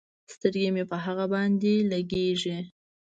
سترګې مې په هغه باندې لګېږي.